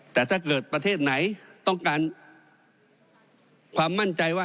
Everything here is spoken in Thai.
แต่ถ้าเกิดประเทศไหนต้องการความมั่นใจว่า